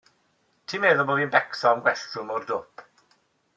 Ti'n meddwl bo fi'n becso am gwestiwn mor dwp?